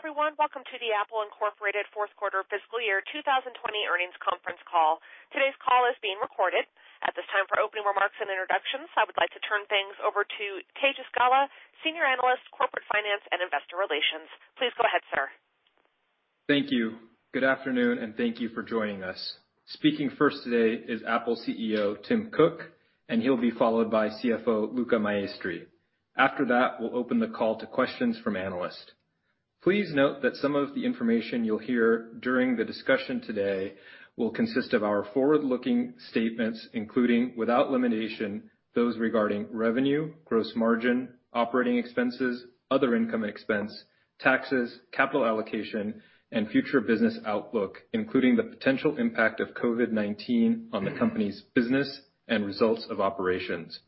Good day, everyone. Welcome to the Apple Inc. fourth quarter fiscal year 2020 earnings conference call. Today's call is being recorded. At this time, for opening remarks and introductions, I would like to turn things over to Tejas Gala, Senior Analyst, Corporate Finance and Investor Relations. Please go ahead, sir. Thank you. Good afternoon, and thank you for joining us. Speaking first today is Apple CEO Tim Cook, and he'll be followed by CFO Luca Maestri. After that, we'll open the call to questions from analysts. Please note that some of the information you'll hear during the discussion today will consist of our forward-looking statements, including, without limitation, those regarding revenue, gross margin, operating expenses, other income expense, taxes, capital allocation, and future business outlook, including the potential impact of COVID-19 on the company's business and results of operations.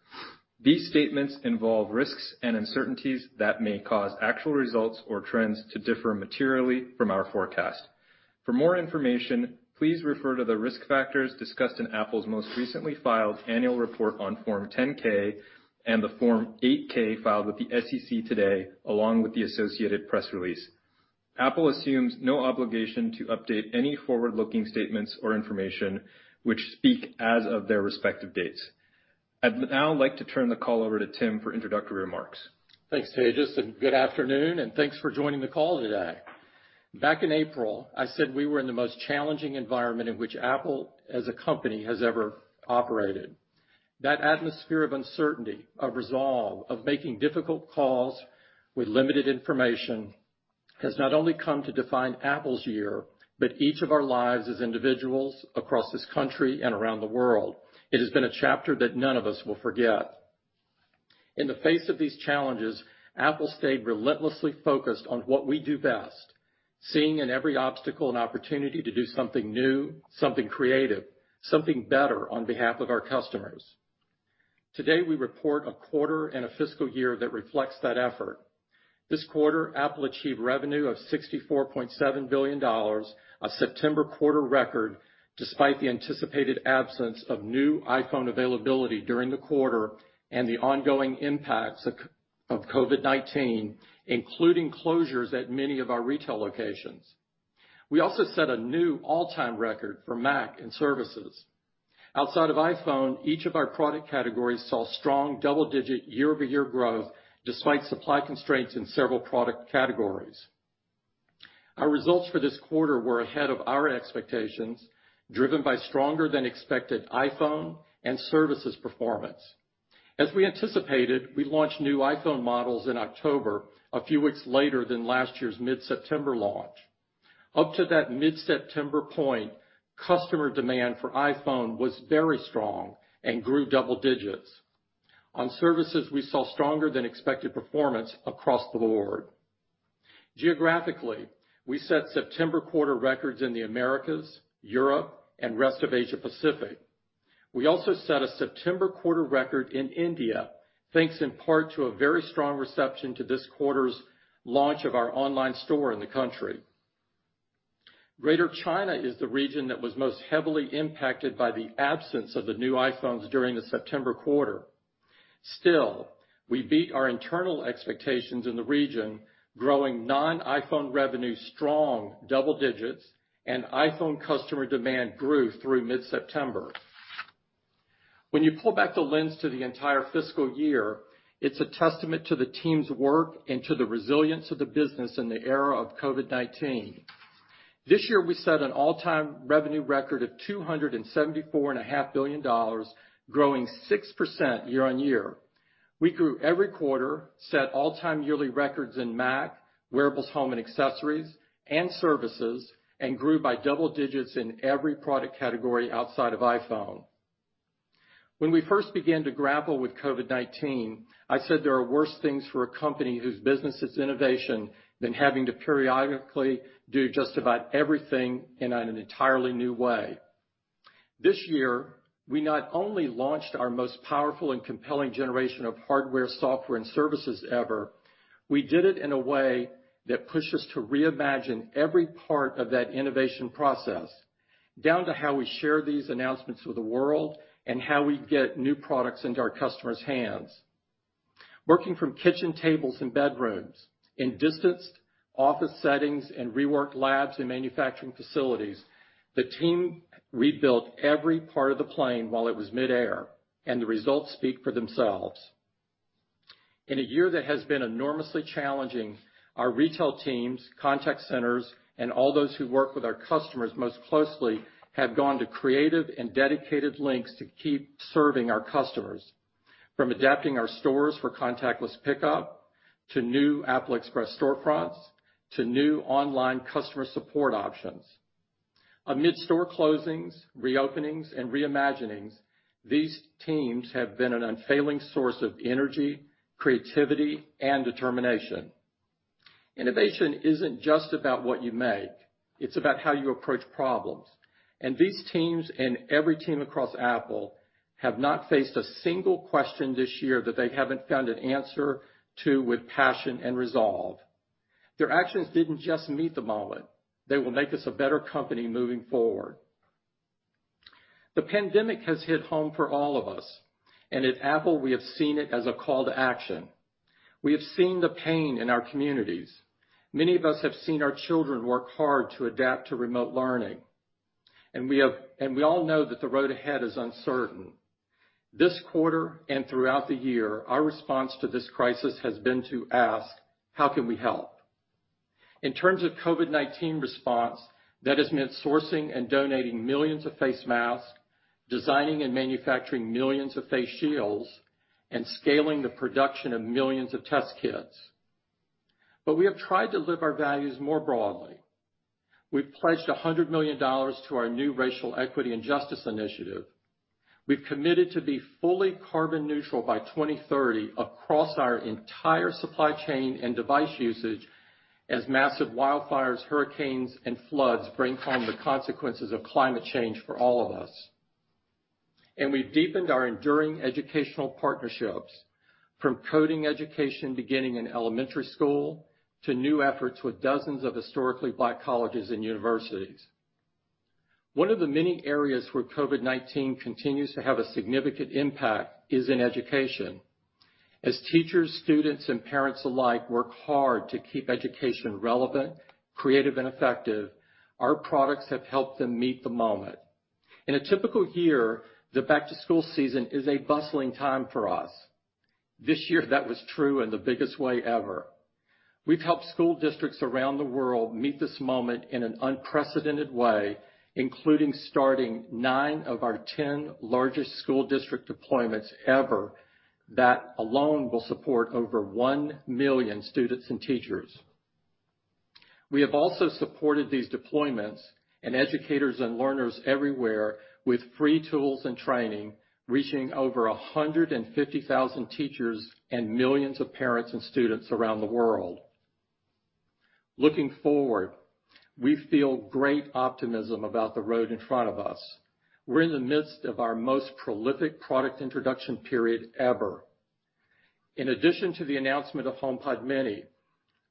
These statements involve risks and uncertainties that may cause actual results or trends to differ materially from our forecast. For more information, please refer to the risk factors discussed in Apple's most recently filed annual report on Form 10-K and the Form 8-K filed with the SEC today, along with the associated press release. Apple assumes no obligation to update any forward-looking statements or information which speak as of their respective dates. I'd now like to turn the call over to Tim for introductory remarks. Thanks, Tejas, and good afternoon, and thanks for joining the call today. Back in April, I said we were in the most challenging environment in which Apple as a company has ever operated. That atmosphere of uncertainty, of resolve, of making difficult calls with limited information has not only come to define Apple's year, but each of our lives as individuals across this country and around the world. It has been a chapter that none of us will forget. In the face of these challenges, Apple stayed relentlessly focused on what we do best, seeing in every obstacle an opportunity to do something new, something creative, something better on behalf of our customers. Today, we report a quarter and a fiscal year that reflects that effort. This quarter, Apple achieved revenue of $64.7 billion, a September quarter record, despite the anticipated absence of new iPhone availability during the quarter and the ongoing impacts of COVID-19, including closures at many of our retail locations. We also set a new all-time record for Mac and services. Outside of iPhone, each of our product categories saw strong double-digit year-over-year growth despite supply constraints in several product categories. Our results for this quarter were ahead of our expectations, driven by stronger than expected iPhone and services performance. As we anticipated, we launched new iPhone models in October, a few weeks later than last year's mid-September launch. Up to that mid-September point, customer demand for iPhone was very strong and grew double digits. On services, we saw stronger than expected performance across the board. Geographically, we set September quarter records in the Americas, Europe, and rest of Asia-Pacific. We also set a September quarter record in India, thanks in part to a very strong reception to this quarter's launch of our online store in the country. Greater China is the region that was most heavily impacted by the absence of the new iPhones during the September quarter. We beat our internal expectations in the region, growing non-iPhone revenue strong double digits, and iPhone customer demand grew through mid-September. When you pull back the lens to the entire fiscal year, it's a testament to the team's work and to the resilience of the business in the era of COVID-19. This year, we set an all-time revenue record of $274.5 billion, growing 6% year-on-year. We grew every quarter, set all-time yearly records in Mac, wearables, home, and accessories, and services, and grew by double digits in every product category outside of iPhone. When we first began to grapple with COVID-19, I said there are worse things for a company whose business is innovation than having to periodically do just about everything in an entirely new way. This year, we not only launched our most powerful and compelling generation of hardware, software, and services ever, we did it in a way that pushed us to reimagine every part of that innovation process, down to how we share these announcements with the world and how we get new products into our customers' hands. Working from kitchen tables and bedrooms, in distanced office settings and reworked labs and manufacturing facilities, the team rebuilt every part of the plane while it was midair, and the results speak for themselves. In a year that has been enormously challenging, our retail teams, contact centers, and all those who work with our customers most closely have gone to creative and dedicated lengths to keep serving our customers, from adapting our stores for contactless pickup to new Apple Express storefronts to new online customer support options. Amid store closings, reopenings, and reimaginings, these teams have been an unfailing source of energy, creativity, and determination. Innovation isn't just about what you make. It's about how you approach problems. These teams and every team across Apple have not faced a single question this year that they haven't found an answer to with passion and resolve. Their actions didn't just meet the moment. They will make us a better company moving forward. The pandemic has hit home for all of us, and at Apple, we have seen it as a call to action. We have seen the pain in our communities. Many of us have seen our children work hard to adapt to remote learning. We all know that the road ahead is uncertain. This quarter and throughout the year, our response to this crisis has been to ask: how can we help? In terms of COVID-19 response, that has meant sourcing and donating millions of face masks, designing and manufacturing millions of face shields, and scaling the production of millions of test kits. We have tried to live our values more broadly. We've pledged $100 million to our new racial equity and justice initiative. We've committed to be fully carbon neutral by 2030 across our entire supply chain and device usage as massive wildfires, hurricanes, and floods bring home the consequences of climate change for all of us. We've deepened our enduring educational partnerships, from coding education beginning in elementary school to new efforts with dozens of historically Black colleges and universities. One of the many areas where COVID-19 continues to have a significant impact is in education. As teachers, students, and parents alike work hard to keep education relevant, creative, and effective, our products have helped them meet the moment. In a typical year, the back-to-school season is a bustling time for us. This year, that was true in the biggest way ever. We've helped school districts around the world meet this moment in an unprecedented way, including starting nine of our 10 largest school district deployments ever. That alone will support over 1 million students and teachers. We have also supported these deployments and educators and learners everywhere with free tools and training, reaching over 150,000 teachers and millions of parents and students around the world. Looking forward, we feel great optimism about the road in front of us. We're in the midst of our most prolific product introduction period ever. In addition to the announcement of HomePod mini,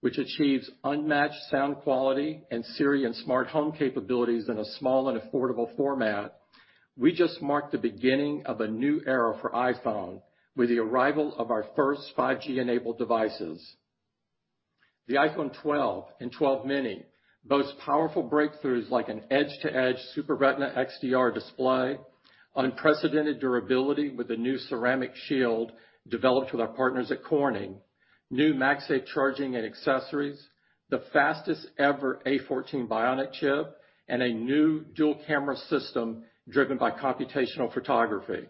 which achieves unmatched sound quality and Siri and smart home capabilities in a small and affordable format, we just marked the beginning of a new era for iPhone with the arrival of our first 5G-enabled devices. The iPhone 12 and 12 mini boast powerful breakthroughs like an edge-to-edge Super Retina XDR display, unprecedented durability with the new Ceramic Shield developed with our partners at Corning, new MagSafe charging and accessories, the fastest-ever A14 Bionic chip, and a new dual-camera system driven by computational photography.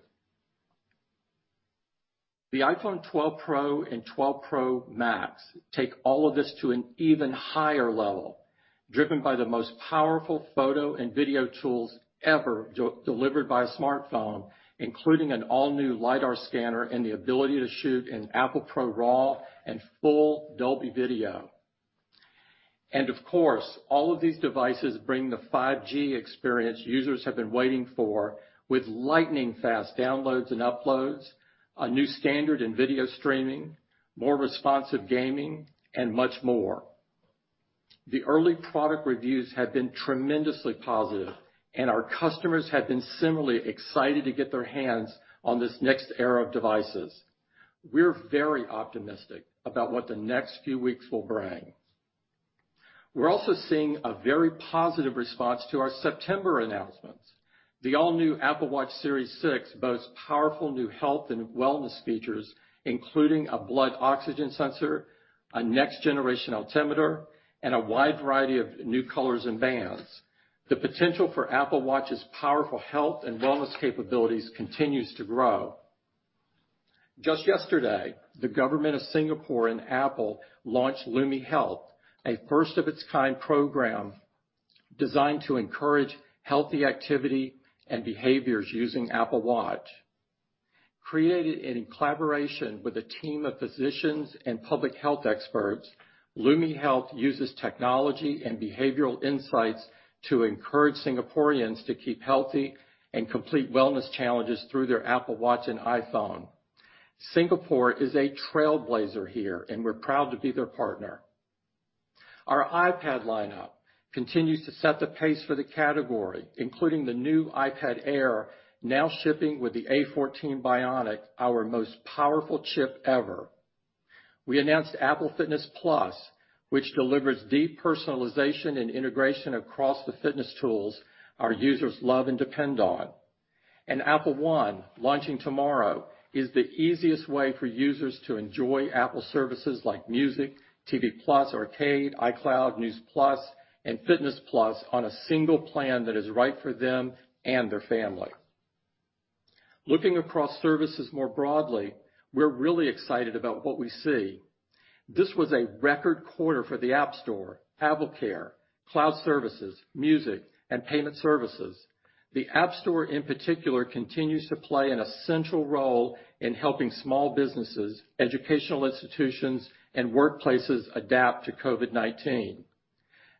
The iPhone 12 Pro and 12 Pro Max take all of this to an even higher level, driven by the most powerful photo and video tools ever delivered by a smartphone, including an all-new LiDAR scanner and the ability to shoot in Apple ProRAW and full Dolby video. Of course, all of these devices bring the 5G experience users have been waiting for with lightning-fast downloads and uploads, a new standard in video streaming, more responsive gaming, and much more. The early product reviews have been tremendously positive, and our customers have been similarly excited to get their hands on this next era of devices. We're very optimistic about what the next few weeks will bring. We're also seeing a very positive response to our September announcements. The all-new Apple Watch Series 6 boasts powerful new health and wellness features, including a blood oxygen sensor, a next-generation altimeter, and a wide variety of new colors and bands. The potential for Apple Watch's powerful health and wellness capabilities continues to grow. Just yesterday, the government of Singapore and Apple launched LumiHealth, a first-of-its-kind program designed to encourage healthy activity and behaviors using Apple Watch. Created in collaboration with a team of physicians and public health experts, LumiHealth uses technology and behavioral insights to encourage Singaporeans to keep healthy and complete wellness challenges through their Apple Watch and iPhone. Singapore is a trailblazer here, and we're proud to be their partner. Our iPad lineup continues to set the pace for the category, including the new iPad Air now shipping with the A14 Bionic, our most powerful chip ever. We announced Apple Fitness+, which delivers deep personalization and integration across the fitness tools our users love and depend on. Apple One, launching tomorrow, is the easiest way for users to enjoy Apple services like Music, TV+, Arcade, iCloud, News+, and Fitness+ on a single plan that is right for them and their family. Looking across services more broadly, we're really excited about what we see. This was a record quarter for the App Store, AppleCare, cloud services, music, and payment services. The App Store, in particular, continues to play an essential role in helping small businesses, educational institutions, and workplaces adapt to COVID-19.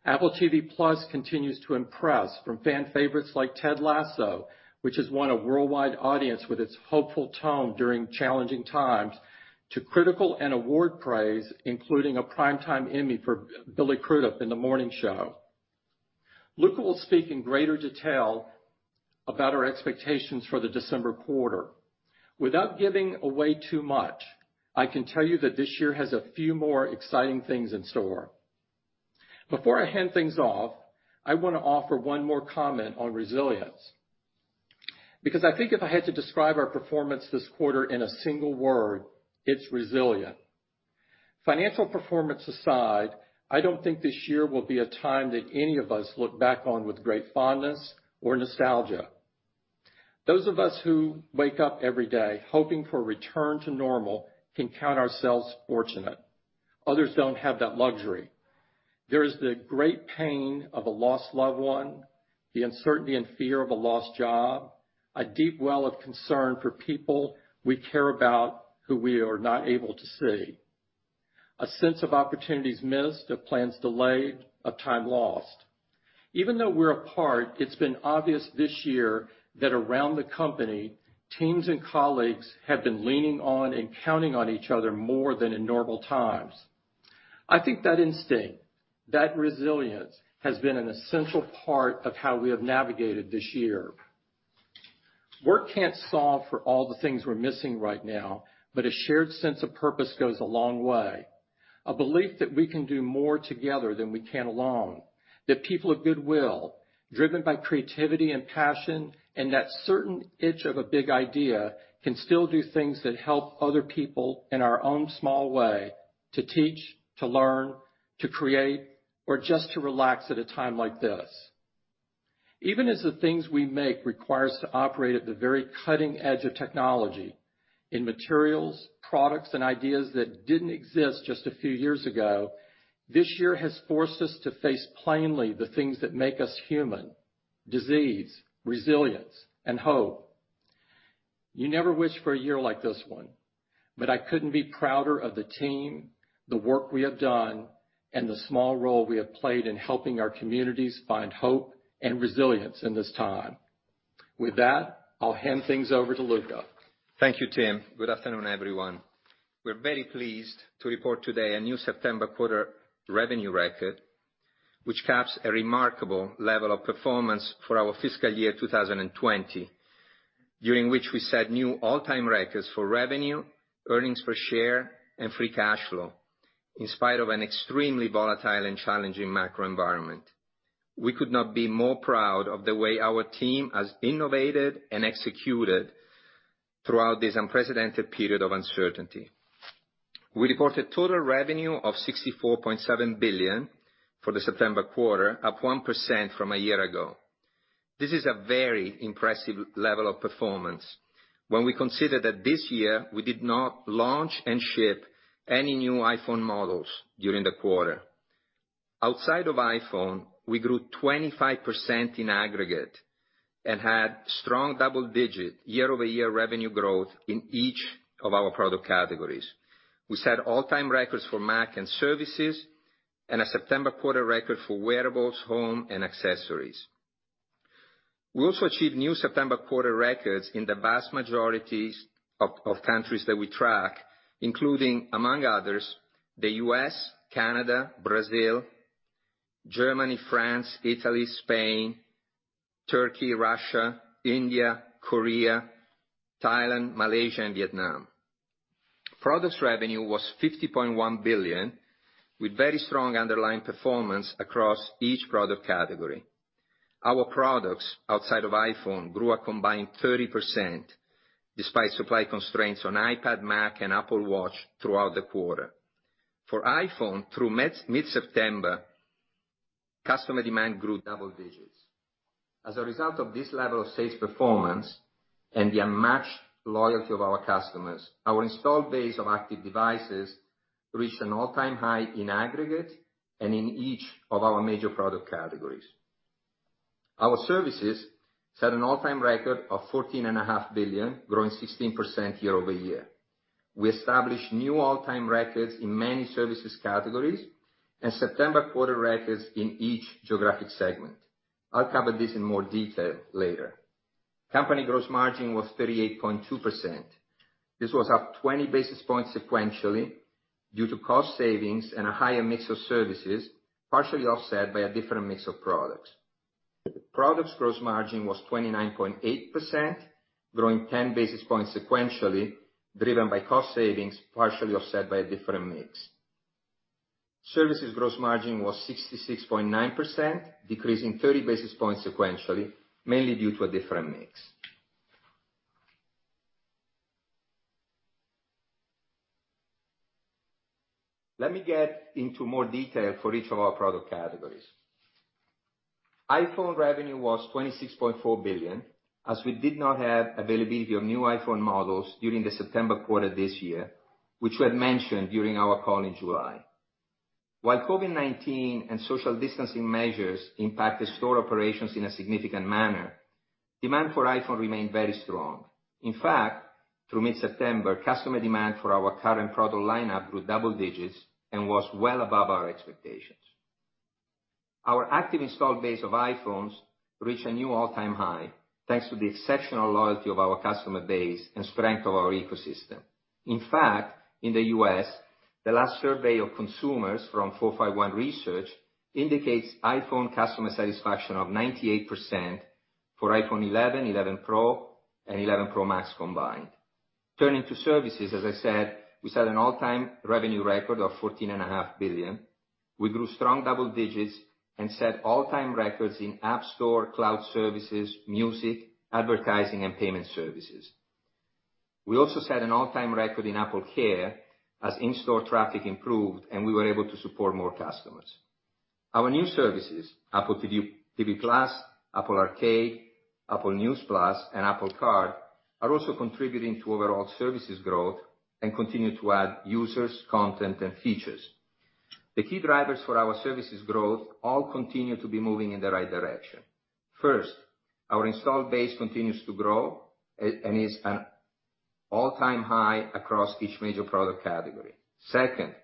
Apple TV+ continues to impress from fan favorites like "Ted Lasso," which has won a worldwide audience with its hopeful tone during challenging times, to critical and award praise, including a Primetime Emmy for Billy Crudup in "The Morning Show." Luca will speak in greater detail about our expectations for the December quarter. Without giving away too much, I can tell you that this year has a few more exciting things in store. Before I hand things off, I want to offer one more comment on resilience, because I think if I had to describe our performance this quarter in a single word, it's resilient. Financial performance aside, I don't think this year will be a time that any of us look back on with great fondness or nostalgia. Those of us who wake up every day hoping for a return to normal can count ourselves fortunate. Others don't have that luxury. There is the great pain of a lost loved one, the uncertainty and fear of a lost job, a deep well of concern for people we care about who we are not able to see. A sense of opportunities missed, of plans delayed, of time lost. Even though we're apart, it's been obvious this year that around the company, teams and colleagues have been leaning on and counting on each other more than in normal times. I think that instinct, that resilience, has been an essential part of how we have navigated this year. Work can't solve for all the things we're missing right now, but a shared sense of purpose goes a long way. A belief that we can do more together than we can alone, that people of goodwill, driven by creativity and passion, and that certain itch of a big idea, can still do things that help other people in our own small way to teach, to learn, to create, or just to relax at a time like this. Even as the things we make require us to operate at the very cutting edge of technology in materials, products, and ideas that didn't exist just a few years ago, this year has forced us to face plainly the things that make us human, disease, resilience, and hope. You never wish for a year like this one, but I couldn't be prouder of the team, the work we have done, and the small role we have played in helping our communities find hope and resilience in this time. With that, I'll hand things over to Luca. Thank you, Tim. Good afternoon, everyone. We are very pleased to report today a new September quarter revenue record, which caps a remarkable level of performance for our fiscal year 2020, during which we set new all-time records for revenue, earnings per share, and free cash flow, in spite of an extremely volatile and challenging macro environment. We could not be more proud of the way our team has innovated and executed throughout this unprecedented period of uncertainty. We reported total revenue of $64.7 billion for the September quarter, up 1% from a year ago. This is a very impressive level of performance when we consider that this year we did not launch and ship any new iPhone models during the quarter. Outside of iPhone, we grew 25% in aggregate and had strong double-digit year-over-year revenue growth in each of our product categories. We set all-time records for Mac and services and a September quarter record for wearables, home, and accessories. We also achieved new September quarter records in the vast majority of countries that we track, including, among others, the U.S., Canada, Brazil, Germany, France, Italy, Spain, Turkey, Russia, India, Korea, Thailand, Malaysia, and Vietnam. Products revenue was $50.1 billion, with very strong underlying performance across each product category. Our products outside of iPhone grew a combined 30%, despite supply constraints on iPad, Mac, and Apple Watch throughout the quarter. For iPhone, through mid-September, customer demand grew double digits. As a result of this level of sales performance and the unmatched loyalty of our customers, our installed base of active devices reached an all-time high in aggregate and in each of our major product categories. Our services set an all-time record of $14.5 billion, growing 16% year-over-year. We established new all-time records in many services categories and September quarter records in each geographic segment. I'll cover this in more detail later. Company gross margin was 38.2%. This was up 20 basis points sequentially due to cost savings and a higher mix of services, partially offset by a different mix of products. Products gross margin was 29.8%, growing 10 basis points sequentially, driven by cost savings, partially offset by a different mix. Services gross margin was 66.9%, decreasing 30 basis points sequentially, mainly due to a different mix. Let me get into more detail for each of our product categories. iPhone revenue was $26.4 billion, as we did not have availability of new iPhone models during the September quarter this year, which we had mentioned during our call in July. While COVID-19 and social distancing measures impacted store operations in a significant manner, demand for iPhone remained very strong. Through mid-September, customer demand for our current product lineup grew double digits and was well above our expectations. Our active installed base of iPhones reached a new all-time high, thanks to the exceptional loyalty of our customer base and strength of our ecosystem. In the U.S., the last survey of consumers from 451 Research indicates iPhone customer satisfaction of 98% for iPhone 11 Pro, and 11 Pro Max combined. Turning to services, as I said, we set an all-time revenue record of $14.5 billion. We grew strong double digits and set all-time records in App Store, cloud services, music, advertising, and payment services. We also set an all-time record in AppleCare as in-store traffic improved, and we were able to support more customers. Our new services, Apple TV+, Apple Arcade, Apple News+, and Apple Card, are also contributing to overall services growth and continue to add users, content, and features. The key drivers for our services growth all continue to be moving in the right direction. First, our installed base continues to grow and is at an all-time high across each major product category. Second,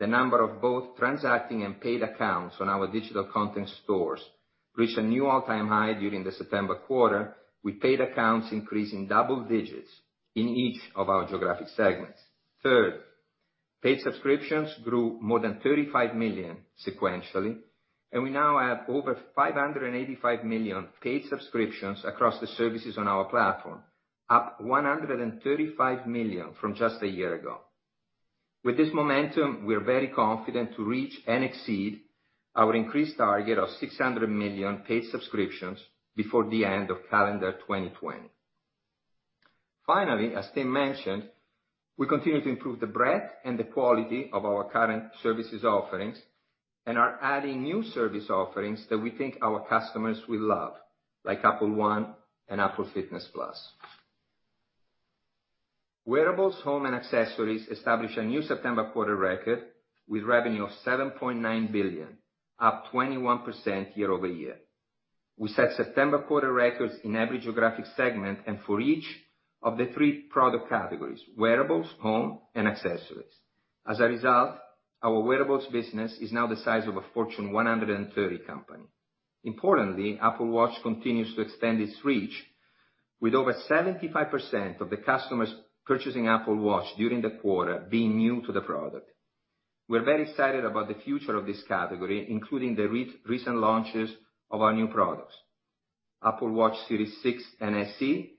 the number of both transacting and paid accounts on our digital content stores reached a new all-time high during the September quarter, with paid accounts increasing double digits in each of our geographic segments. Third, paid subscriptions grew more than 35 million sequentially, and we now have over 585 million paid subscriptions across the services on our platform, up 135 million from just one year ago. With this momentum, we're very confident to reach and exceed our increased target of 600 million paid subscriptions before the end of calendar 2020. Finally, as Tim mentioned, we continue to improve the breadth and the quality of our current services offerings and are adding new service offerings that we think our customers will love, like Apple One and Apple Fitness+. Wearables, home, and accessories established a new September quarter record with revenue of $7.9 billion, up 21% year-over-year. We set September quarter records in every geographic segment and for each of the three product categories: wearables, home, and accessories. As a result, our wearables business is now the size of a Fortune 130 company. Importantly, Apple Watch continues to extend its reach with over 75% of the customers purchasing Apple Watch during the quarter being new to the product. We're very excited about the future of this category, including the recent launches of our new products, Apple Watch Series 6 and SE,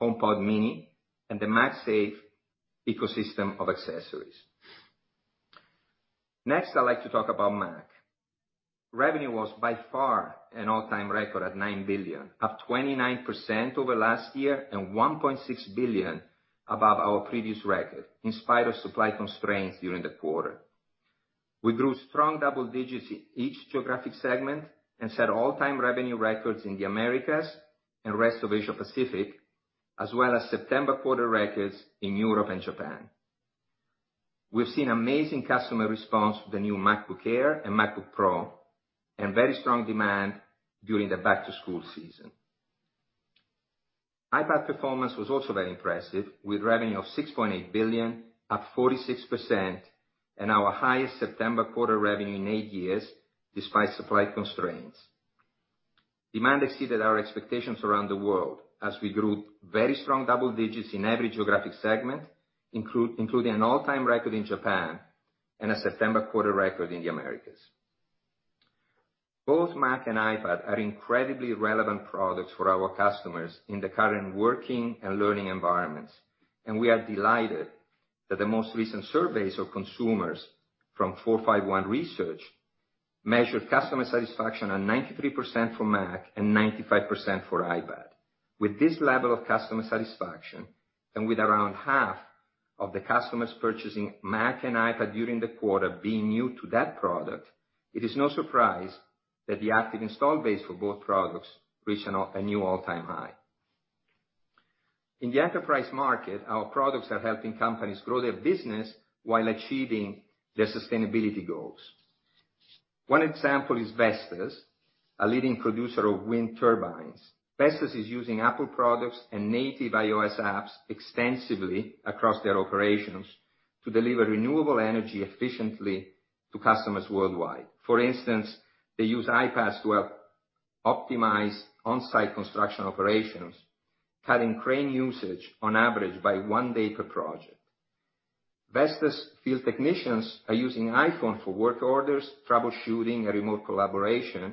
HomePod mini, and the MagSafe ecosystem of accessories. Next, I'd like to talk about Mac. Revenue was by far an all-time record at $9 billion, up 29% over last year and $1.6 billion above our previous record in spite of supply constraints during the quarter. We grew strong double digits in each geographic segment and set all-time revenue records in the Americas and rest of Asia-Pacific, as well as September quarter records in Europe and Japan. We've seen amazing customer response to the new MacBook Air and MacBook Pro and very strong demand during the back-to-school season. iPad performance was also very impressive, with revenue of $6.8 billion, up 46%, and our highest September quarter revenue in eight years, despite supply constraints. Demand exceeded our expectations around the world as we grew very strong double digits in every geographic segment, including an all-time record in Japan and a September quarter record in the Americas. Both Mac and iPad are incredibly relevant products for our customers in the current working and learning environments, and we are delighted that the most recent surveys of consumers from 451 Research measured customer satisfaction at 93% for Mac and 95% for iPad. With this level of customer satisfaction, and with around half of the customers purchasing Mac and iPad during the quarter being new to that product, it is no surprise that the active install base for both products reached a new all-time high. In the enterprise market, our products are helping companies grow their business while achieving their sustainability goals. One example is Vestas, a leading producer of wind turbines. Vestas is using Apple products and native iOS apps extensively across their operations to deliver renewable energy efficiently to customers worldwide. For instance, they use iPads to optimize on-site construction operations, cutting crane usage on average by one day per project. Vestas field technicians are using iPhone for work orders, troubleshooting, and remote collaboration,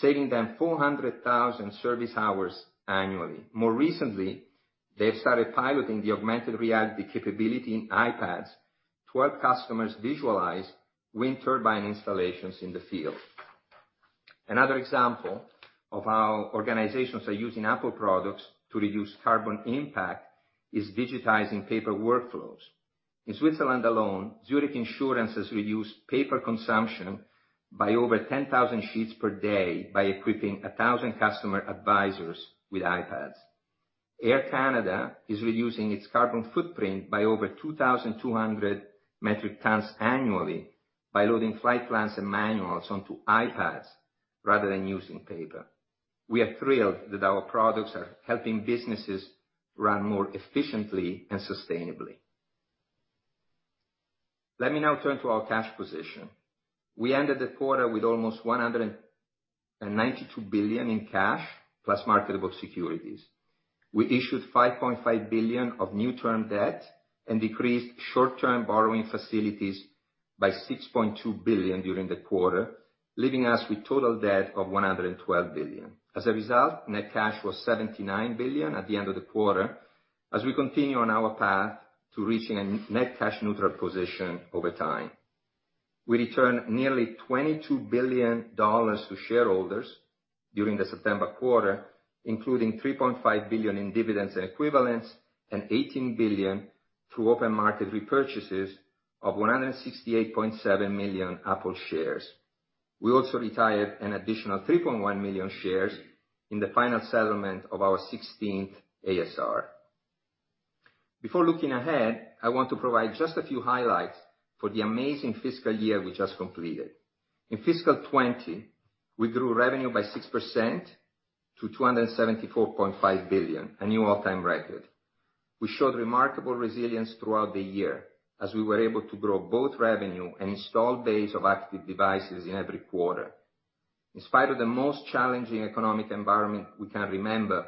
saving them 400,000 service hours annually. More recently, they've started piloting the augmented reality capability in iPads to help customers visualize wind turbine installations in the field. Another example of how organizations are using Apple products to reduce carbon impact is digitizing paper workflows. In Switzerland alone, Zurich Insurance has reduced paper consumption by over 10,000 sheets per day by equipping 1,000 customer advisors with iPads. Air Canada is reducing its carbon footprint by over 2,200 metric tons annually by loading flight plans and manuals onto iPads rather than using paper. We are thrilled that our products are helping businesses run more efficiently and sustainably. Let me now turn to our cash position. We ended the quarter with almost [$192 billion] in cash, plus marketable securities. We issued $5.5 billion of new term debt and decreased short-term borrowing facilities by $6.2 billion during the quarter, leaving us with total debt of $112 billion. As a result, net cash was $79 billion at the end of the quarter, as we continue on our path to reaching a net cash neutral position over time. We returned nearly $22 billion to shareholders during the September quarter, including $3.5 billion in dividends and equivalents, and $18 billion through open market repurchases of 168.7 million Apple shares. We also retired an additional 3.1 million shares in the final settlement of our 16th ASR. Before looking ahead, I want to provide just a few highlights for the amazing fiscal year we just completed. In fiscal 2020, we grew revenue by 6% to $274.5 billion, a new all-time record. We showed remarkable resilience throughout the year, as we were able to grow both revenue and installed base of active devices in every quarter. In spite of the most challenging economic environment we can remember,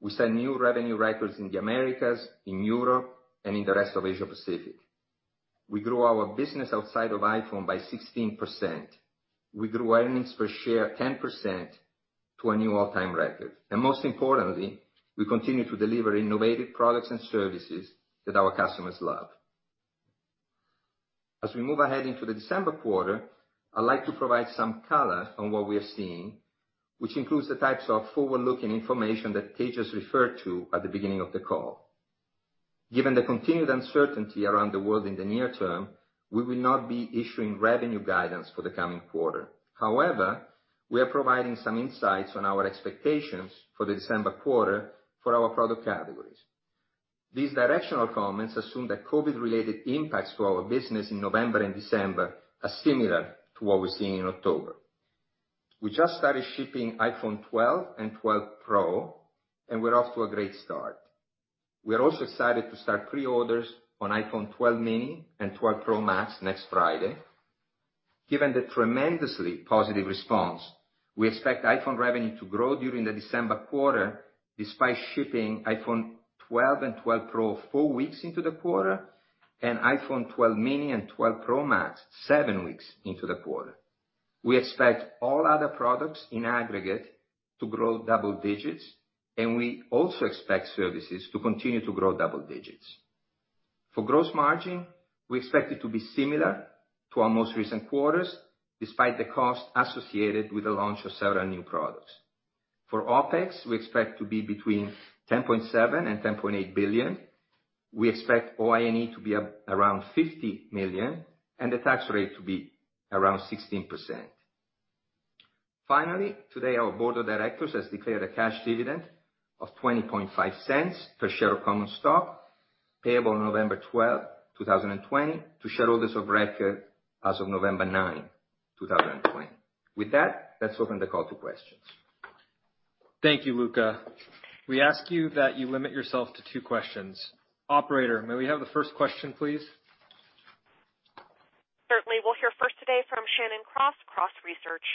we set new revenue records in the Americas, in Europe, and in the rest of Asia-Pacific. We grew our business outside of iPhone by 16%. We grew earnings per share 10% to a new all-time record. Most importantly, we continue to deliver innovative products and services that our customers love. As we move ahead into the December quarter, I'd like to provide some color on what we're seeing, which includes the types of forward-looking information that [Tejas] just referred to at the beginning of the call. Given the continued uncertainty around the world in the near term, we will not be issuing revenue guidance for the coming quarter. We are providing some insights on our expectations for the December quarter for our product categories. These directional comments assume that COVID-related impacts to our business in November and December are similar to what we're seeing in October. We just started shipping iPhone 12 and 12 Pro, and we're off to a great start. We are also excited to start pre-orders on iPhone 12 mini and 12 Pro Max next Friday. Given the tremendously positive response, we expect iPhone revenue to grow during the December quarter despite shipping iPhone 12 and 12 Pro four weeks into the quarter, and iPhone 12 mini and 12 Pro Max seven weeks into the quarter. We expect all other products in aggregate to grow double digits, and we also expect services to continue to grow double digits. For gross margin, we expect it to be similar to our most recent quarters, despite the cost associated with the launch of several new products. For OpEx, we expect to be between $10.7 billion and $10.8 billion. We expect OI&E to be around $50 million, and the tax rate to be around 16%. Finally, today our board of directors has declared a cash dividend of $0.205 per share of common stock, payable November 12, 2020, to shareholders of record as of November 9, 2020. With that, let's open the call to questions. Thank you, Luca. We ask you that you limit yourself to two questions. Operator, may we have the first question, please? Certainly. We'll hear first today from [Shannon Cross] Cross Research.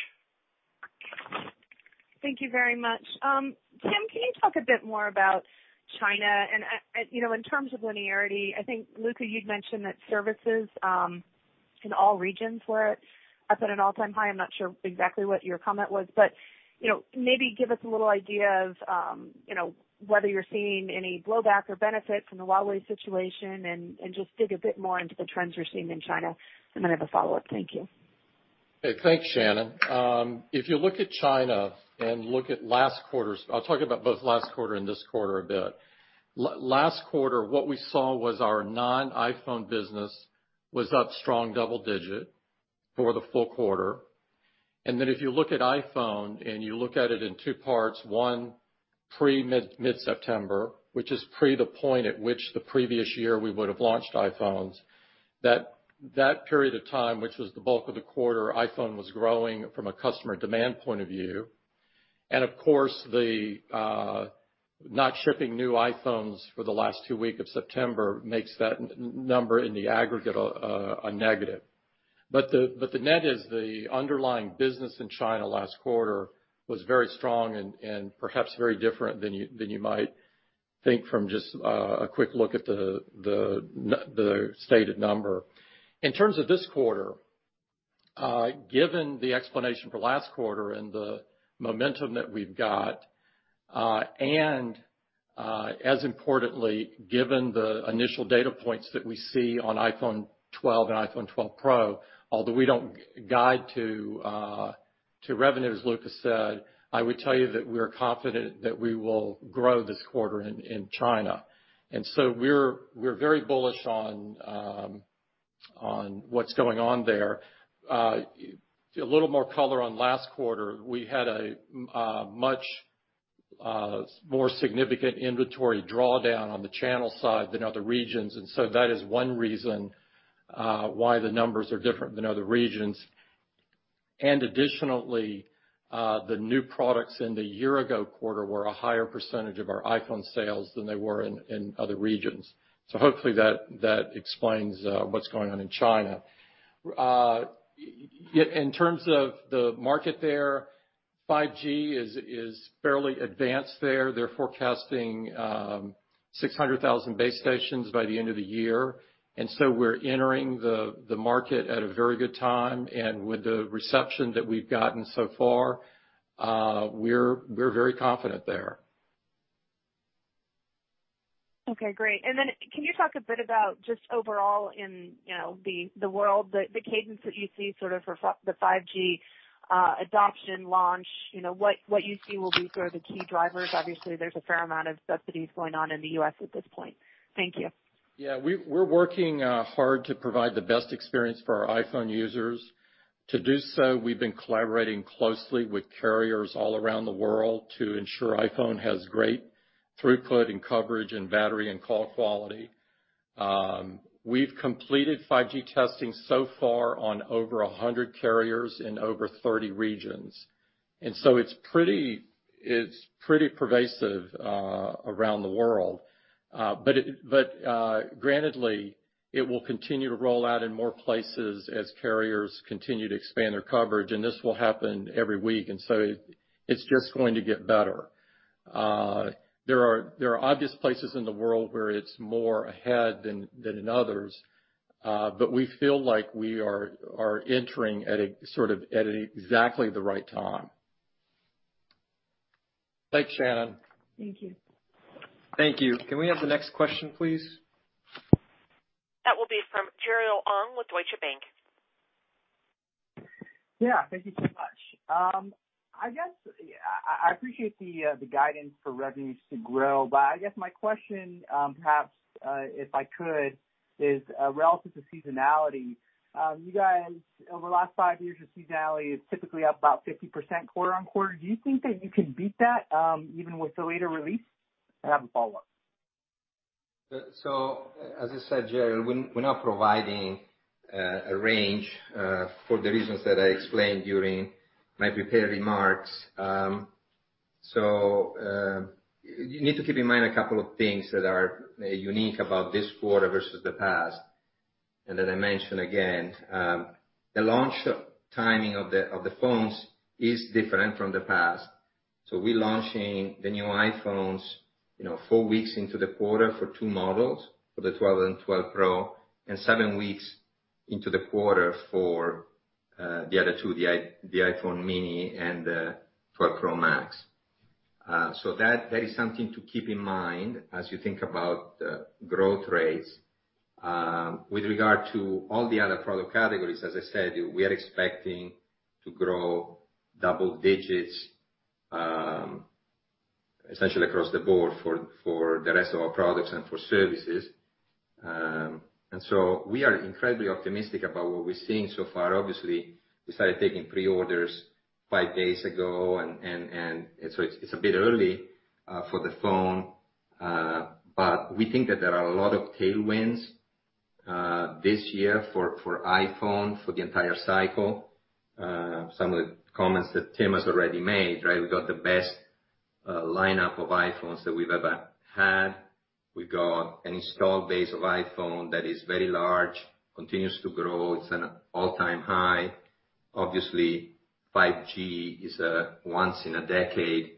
Thank you very much. Tim, can you talk a bit more about China and, in terms of linearity, I think Luca, you'd mentioned that services, in all regions were at an all-time high. I'm not sure exactly what your comment was. Maybe give us a little idea of whether you're seeing any blowback or benefit from the Huawei situation, and just dig a bit more into the trends you're seeing in China. I have a follow-up. Thank you. Okay. Thanks, Shannon. If you look at China and look at last quarter, I'll talk about both last quarter and this quarter a bit. Last quarter, what we saw was our non-iPhone business was up strong double-digit for the full quarter. If you look at iPhone and you look at it in two parts, one, pre-mid-September, which is pre the point at which the previous year we would've launched iPhones. That period of time, which was the bulk of the quarter, iPhone was growing from a customer demand point of view. Of course, the not shipping new iPhones for the last two week of September makes that number in the aggregate a negative. The net is the underlying business in China last quarter was very strong and perhaps very different than you might think from just a quick look at the stated number. In terms of this quarter, given the explanation for last quarter and the momentum that we've got, and as importantly, given the initial data points that we see on iPhone 12 and iPhone 12 Pro, although we don't guide to revenue, as Luca said, I would tell you that we are confident that we will grow this quarter in China. We're very bullish on what's going on there. A little more color on last quarter. We had a much more significant inventory drawdown on the channel side than other regions, and so that is one reason why the numbers are different than other regions. Additionally, the new products in the year ago quarter were a higher percentage of our iPhone sales than they were in other regions. Hopefully that explains what's going on in China. In terms of the market there, 5G is fairly advanced there. They're forecasting 600,000 base stations by the end of the year. We're entering the market at a very good time. With the reception that we've gotten so far, we're very confident there. Okay, great. Can you talk a bit about just overall in the world, the cadence that you see sort of for the 5G adoption launch, what you see will be sort of the key drivers. Obviously, there's a fair amount of subsidies going on in the U.S. at this point. Thank you. Yeah. We're working hard to provide the best experience for our iPhone users. To do so, we've been collaborating closely with carriers all around the world to ensure iPhone has great throughput and coverage in battery and call quality. We've completed 5G testing so far on over 100 carriers in over 30 regions, and so it's pretty pervasive around the world. Grantedly, it will continue to roll out in more places as carriers continue to expand their coverage, and this will happen every week. It's just going to get better. There are obvious places in the world where it's more ahead than in others. We feel like we are entering at a sort of exactly the right time. Thanks, Shannon. Thank you. Thank you. Can we have the next question, please? That will be from Jeriel Ong with Deutsche Bank. Yeah. Thank you so much. I appreciate the guidance for revenues to grow. I guess my question, perhaps, if I could, is relative to seasonality. You guys, over the last five years, your seasonality is typically up about 50% quarter-on-quarter. Do you think that you can beat that, even with the later release? I have a follow-up. As I said, Jeriel, we're not providing a range for the reasons that I explained during my prepared remarks. You need to keep in mind a couple of things that are unique about this quarter versus the past, and that I mention again. The launch timing of the phones is different from the past. We're launching the new iPhones four weeks into the quarter for two models, for the 12 and 12 Pro, and seven weeks into the quarter for the other two, the iPhone mini and 12 Pro Max. That is something to keep in mind as you think about growth rates. With regard to all the other product categories, as I said, we are expecting to grow double digits essentially across the board for the rest of our products and for services. We are incredibly optimistic about what we're seeing so far. Obviously, we started taking pre-orders five days ago. It's a bit early for the phone. We think that there are a lot of tailwinds this year for iPhone, for the entire cycle. Some of the comments that Tim has already made, right? We've got the best lineup of iPhones that we've ever had. We've got an installed base of iPhone that is very large, continues to grow. It's an all-time high. Obviously, 5G is a once in a decade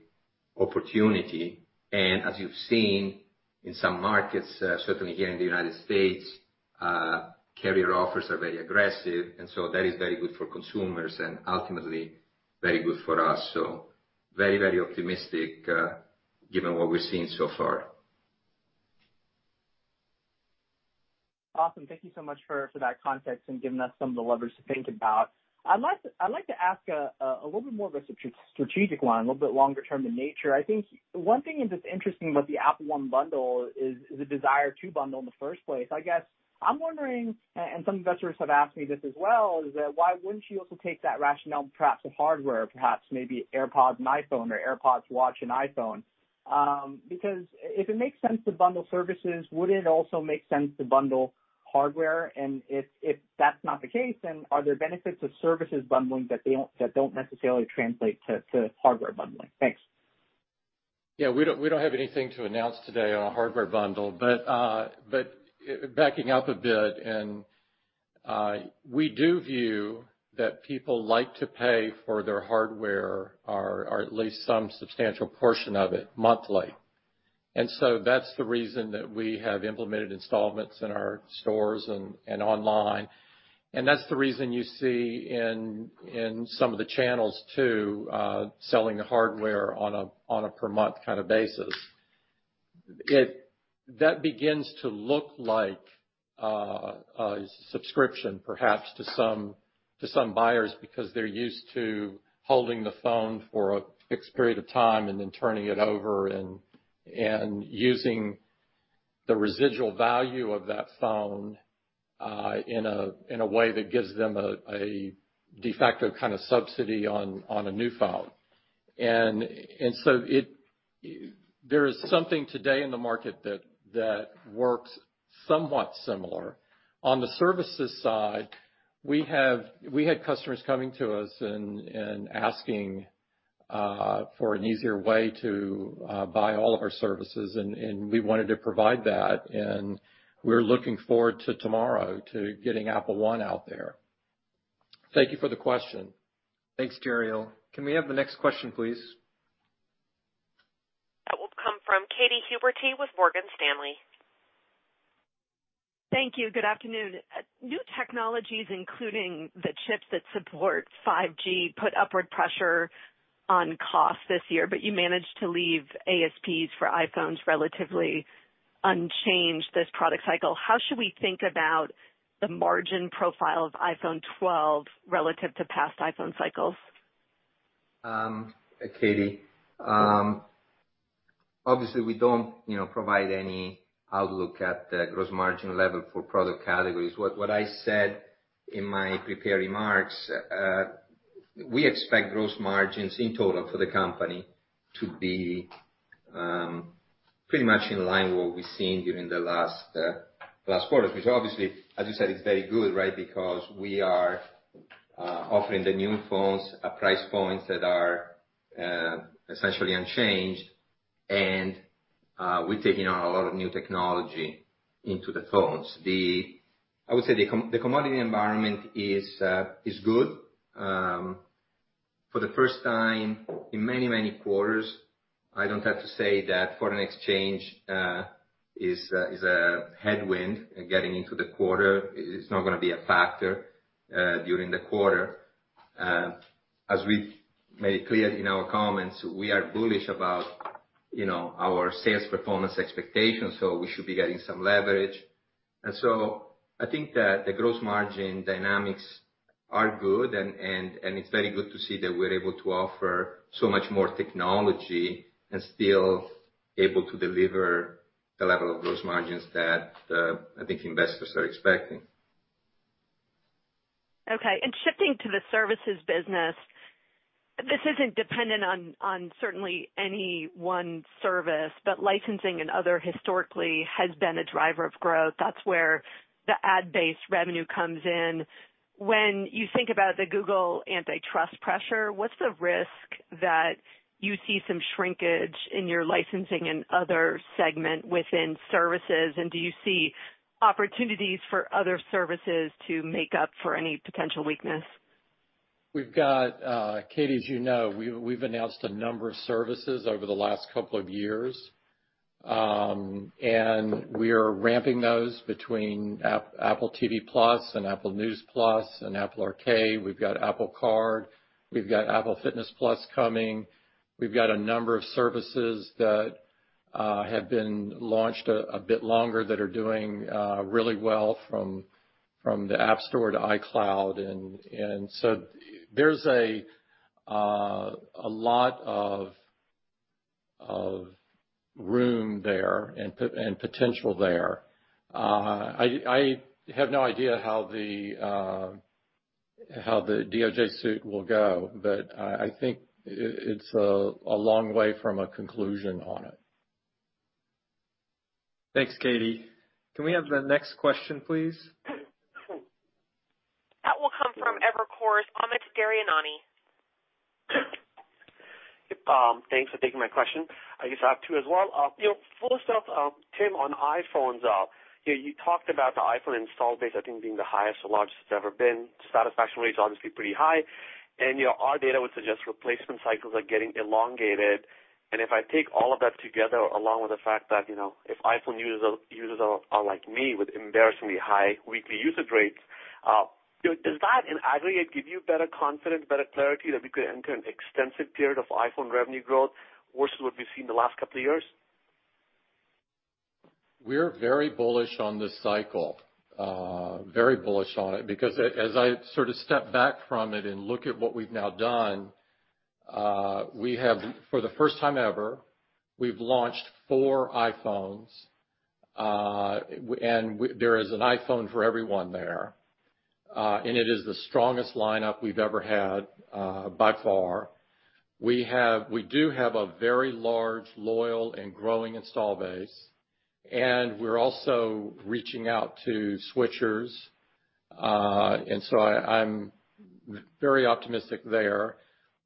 opportunity. As you've seen in some markets, certainly here in the U.S., carrier offers are very aggressive, and so that is very good for consumers and ultimately very good for us. Very optimistic given what we've seen so far. Awesome. Thank you so much for that context and giving us some of the levers to think about. I'd like to ask a little bit more of a strategic one, a little bit longer term in nature. I think one thing that's interesting about the Apple One bundle is the desire to bundle in the first place. I guess, I'm wondering, and some investors have asked me this as well, is that why wouldn't you also take that rationale perhaps with hardware, perhaps maybe AirPods and iPhone or AirPods, Watch, and iPhone? Because if it makes sense to bundle services, wouldn't it also make sense to bundle hardware? If that's not the case, then are there benefits of services bundling that don't necessarily translate to hardware bundling? Thanks. Yeah. We don't have anything to announce today on a hardware bundle. Backing up a bit, and we do view that people like to pay for their hardware, or at least some substantial portion of it, monthly. That's the reason that we have implemented installments in our stores and online. That's the reason you see in some of the channels too, selling the hardware on a per month kind of basis. That begins to look like a subscription, perhaps to some buyers, because they're used to holding the phone for a fixed period of time and then turning it over and using the residual value of that phone in a way that gives them a de facto kind of subsidy on a new phone. There is something today in the market that works somewhat similar. On the services side, we had customers coming to us and asking for an easier way to buy all of our services. We wanted to provide that. We're looking forward to tomorrow to getting Apple One out there. Thank you for the question. Thanks, Jeriel. Can we have the next question, please? That will come from Katy Huberty with Morgan Stanley. Thank you. Good afternoon. New technologies, including the chips that support 5G, put upward pressure on cost this year. You managed to leave ASPs for iPhones relatively unchanged this product cycle. How should we think about the margin profile of iPhone 12 relative to past iPhone cycles? Katy, obviously we don't provide any outlook at the gross margin level for product categories. What I said in my prepared remarks, we expect gross margins in total for the company to be pretty much in line what we've seen during the last quarters, which obviously, as you said, is very good, right? We are offering the new phones at price points that are essentially unchanged, and we're taking on a lot of new technology into the phones. I would say the commodity environment is good. For the first time in many quarters, I don't have to say that foreign exchange is a headwind getting into the quarter. It's not going to be a factor during the quarter. As we've made clear in our comments, we are bullish about our sales performance expectations, we should be getting some leverage. I think that the gross margin dynamics are good and it's very good to see that we're able to offer so much more technology and still able to deliver the level of gross margins that I think investors are expecting. Okay, shifting to the services business, this isn't dependent on certainly any one service, but licensing and other historically has been a driver of growth. That's where the ad-based revenue comes in. When you think about the Google antitrust pressure, what's the risk that you see some shrinkage in your licensing and other segment within services, and do you see opportunities for other services to make up for any potential weakness? Katy, as you know, we've announced a number of services over the last couple of years. We're ramping those between Apple TV+ and Apple News+ and Apple Arcade. We've got Apple Card, we've got Apple Fitness+ coming. We've got a number of services that have been launched a bit longer that are doing really well from the App Store to iCloud. There's a lot of room there and potential there. I have no idea how the DOJ suit will go, but I think it's a long way from a conclusion on it. Thanks, Katy. Can we have the next question, please? That will come from Evercore's Amit Daryanani. Thanks for taking my question. I guess I have two as well. First off, Tim, on iPhones, you talked about the iPhone install base, I think, being the highest, the largest it's ever been. Satisfaction rates obviously pretty high. Our data would suggest replacement cycles are getting elongated. If I take all of that together, along with the fact that if iPhone users are like me with embarrassingly high weekly usage rates, does that in aggregate give you better confidence, better clarity that we could enter an extensive period of iPhone revenue growth versus what we've seen the last couple of years? We're very bullish on this cycle. Very bullish on it because as I sort of step back from it and look at what we've now done, we have for the first time ever, we've launched four iPhones. There is an iPhone for everyone there. It is the strongest lineup we've ever had by far. We do have a very large, loyal, and growing install base, and we're also reaching out to switchers. I'm very optimistic there.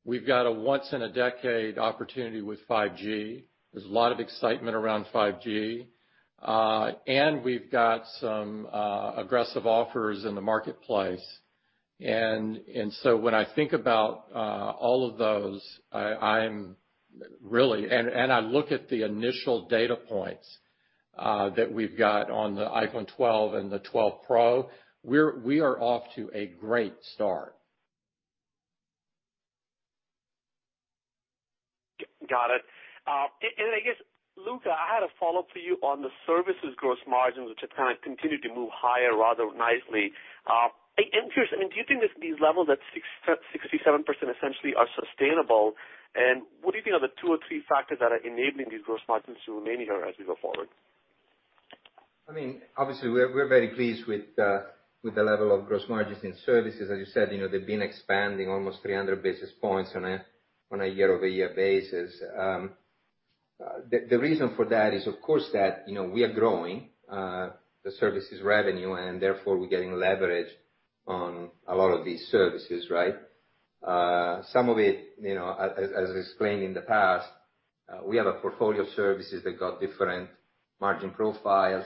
We've got a once in a decade opportunity with 5G. There's a lot of excitement around 5G. We've got some aggressive offers in the marketplace. When I think about all of those, and I look at the initial data points that we've got on the iPhone 12 and the 12 Pro, we are off to a great start. Got it. I guess, Luca, I had a follow-up for you on the services gross margins, which have kind of continued to move higher rather nicely. I'm curious, do you think these levels at 67% essentially are sustainable, and what do you think are the two or three factors that are enabling these gross margins to remain here as we go forward? Obviously, we're very pleased with the level of gross margins in services. As you said, they've been expanding almost 300 basis points on a year-over-year basis. The reason for that is, of course, that we are growing the services revenue, therefore, we're getting leverage on a lot of these services, right? Some of it, as explained in the past, we have a portfolio of services that got different margin profiles.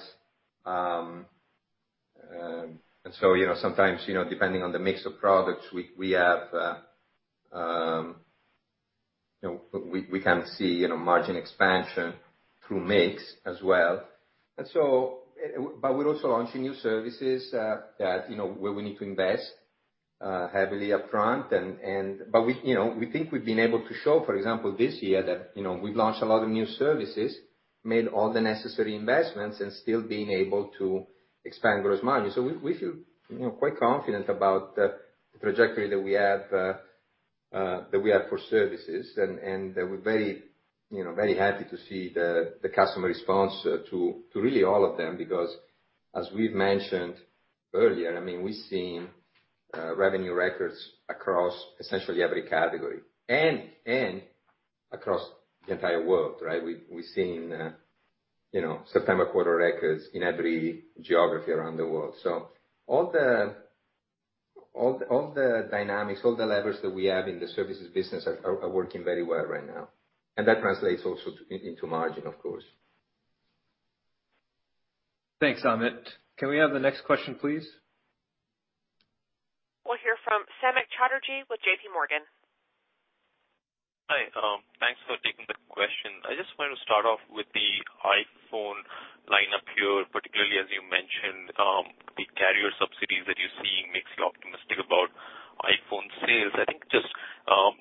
Sometimes, depending on the mix of products, we can see margin expansion through mix as well. We're also launching new services where we need to invest heavily upfront. We think we've been able to show, for example, this year that we've launched a lot of new services, made all the necessary investments, and still being able to expand gross margin. We feel quite confident about the trajectory that we have for services and that we're very happy to see the customer response to really all of them, because as we've mentioned earlier, we've seen revenue records across essentially every category and across the entire world, right. We've seen September quarter records in every geography around the world. All the dynamics, all the levers that we have in the services business are working very well right now. That translates also into margin, of course. Thanks, Amit. Can we have the next question, please? We'll hear from Samik Chatterjee with JPMorgan. Hi. Thanks for taking the question. I just want to start off with the iPhone lineup here, particularly as you mentioned, the carrier subsidies that you're seeing makes you optimistic about iPhone sales. I think just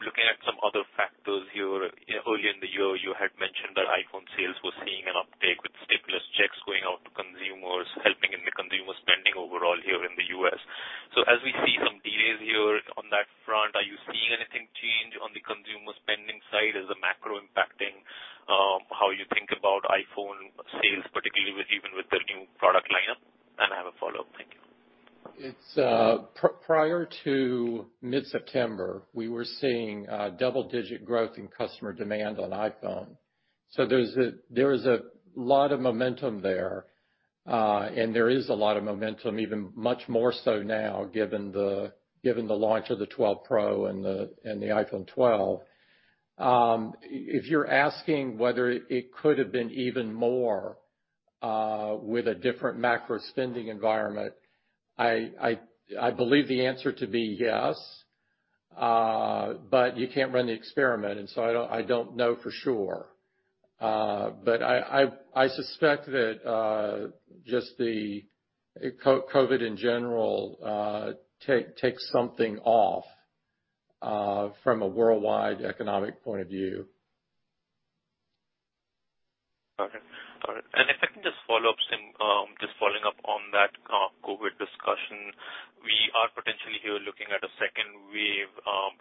looking at some other factors here, earlier in the year, you had mentioned that iPhone sales were seeing an uptake with stimulus checks going out to consumers, helping in the consumer spending overall here in the U.S. As we see some delays here on that front, are you seeing anything change on the consumer spending side? Is the macro impacting how you think about iPhone sales, particularly even with the new product lineup? I have a follow-up. Thank you. Prior to mid-September, we were seeing double-digit growth in customer demand on iPhone. There is a lot of momentum there, and there is a lot of momentum even much more so now, given the launch of the 12 Pro and the iPhone 12. If you're asking whether it could have been even more with a different macro spending environment, I believe the answer to be yes, but you can't run the experiment, and so I don't know for sure. I suspect that just the COVID, in general, takes something off from a worldwide economic point of view. Okay, got it. If I can just follow up, Tim, just following up on that COVID discussion, we are potentially here looking at a second wave,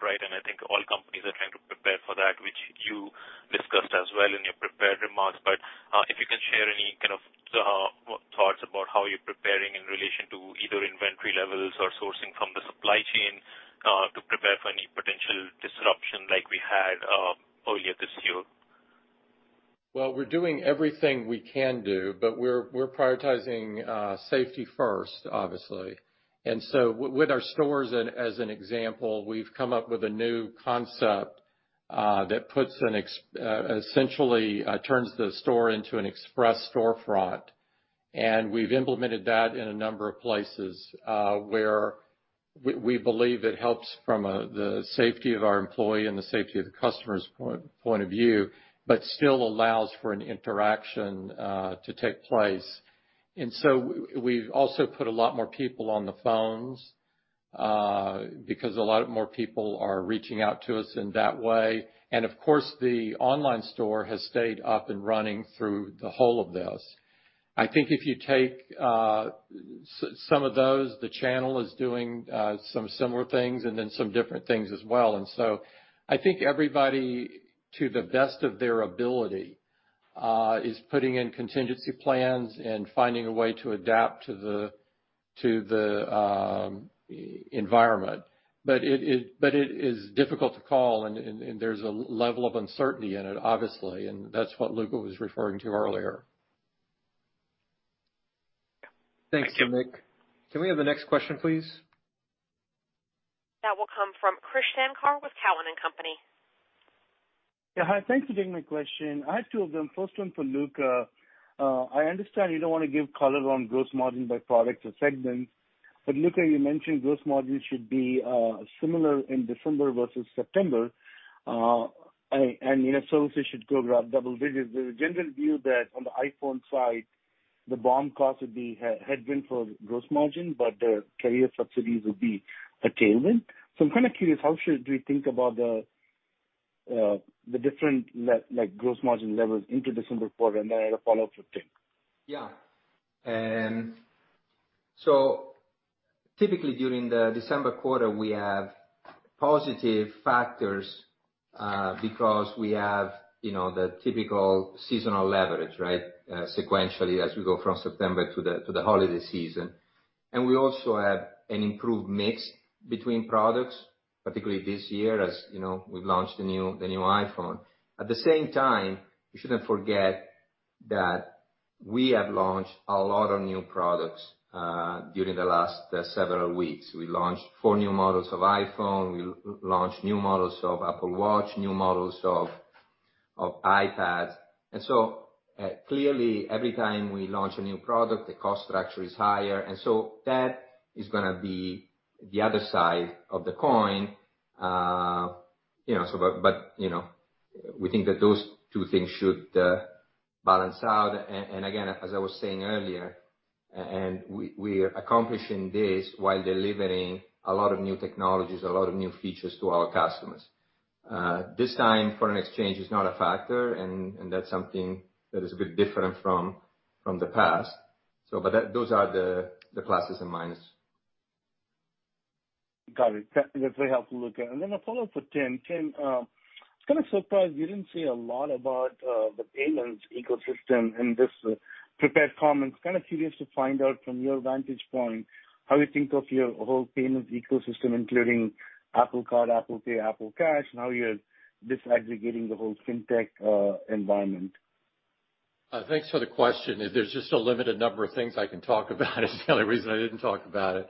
right? I think all companies are trying to prepare for that, which you discussed as well in your prepared remarks. If you can share any kind of thoughts about how you're preparing in relation to either inventory levels or sourcing from the supply chain, to prepare for any potential disruption like we had earlier this year. Well, we're doing everything we can do, but we're prioritizing safety first, obviously. With our stores, as an example, we've come up with a new concept that essentially turns the store into an express storefront. We've implemented that in a number of places where we believe it helps from the safety of our employee and the safety of the customer's point of view, but still allows for an interaction to take place. We've also put a lot more people on the phones, because a lot more people are reaching out to us in that way. Of course, the online store has stayed up and running through the whole of this. I think if you take some of those, the channel is doing some similar things and then some different things as well. I think everybody, to the best of their ability, is putting in contingency plans and finding a way to adapt to the environment. It is difficult to call and there's a level of uncertainty in it, obviously, and that's what Luca was referring to earlier. Thank you. Thanks, Samik. Can we have the next question, please? That will come from Krish Sankar with Cowen and Company. Yeah. Hi. Thanks for taking my question. I have two of them. First one for Luca. I understand you don't want to give color on gross margin by product or segment, but Luca, you mentioned gross margin should be similar in December versus September, and services should grow double digits. There's a general view that on the iPhone side, the BOM cost would be headwind for gross margin, but the carrier subsidies would be a tailwind. I'm kind of curious, how should we think about the different gross margin levels into December quarter? I had a follow-up for Tim. Typically, during the December quarter, we have positive factors, because we have the typical seasonal leverage, right? Sequentially as we go from September to the holiday season. We also have an improved mix between products, particularly this year, as we've launched the new iPhone. At the same time, we shouldn't forget that we have launched a lot of new products during the last several weeks. We launched four new models of iPhone. We launched new models of Apple Watch, new models of iPad. Clearly, every time we launch a new product, the cost structure is higher. That is going to be the other side of the coin. We think that those two things should balance out. Again, as I was saying earlier, and we are accomplishing this while delivering a lot of new technologies, a lot of new features to our customers. This time, foreign exchange is not a factor, and that's something that is a bit different from the past. Those are the pluses and minus. Got it. That's very helpful, Luca. A follow-up for Tim. Tim, I was kind of surprised you didn't say a lot about the payments ecosystem in this prepared comments. Kind of curious to find out from your vantage point, how you think of your whole payments ecosystem, including Apple Card, Apple Pay, Apple Cash, and how you're disaggregating the whole fintech environment. Thanks for the question. There's just a limited number of things I can talk about, is the only reason I didn't talk about it.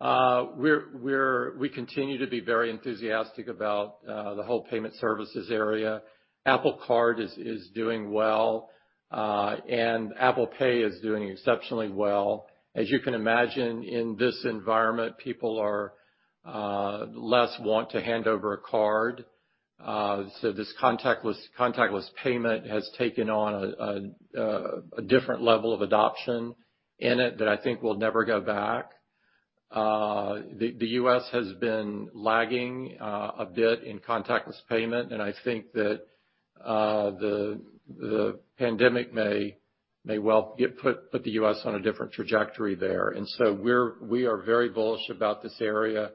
We continue to be very enthusiastic about the whole payment services area. Apple Card is doing well, and Apple Pay is doing exceptionally well. As you can imagine, in this environment, people are less want to hand over a card. This contactless payment has taken on a different level of adoption in it that I think will never go back. The U.S. has been lagging a bit in contactless payment, and I think that the pandemic may well put the U.S. on a different trajectory there. We are very bullish about this area